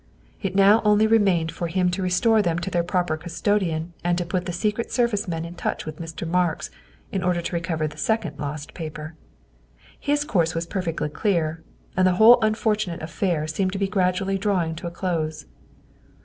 It now only remained for him to restore them to their proper custodian and to put the Secret Service men in touch with Mr. Marks in order to recover the second lost paper. His course was per fectly clear, and the whole unfortunate affair seemed to be gradually drawing to a close.